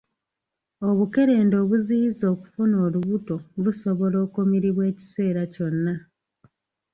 Obukerenda obuziyiza okufuna olubuto busobola okumiribwa ekiseera kyonna.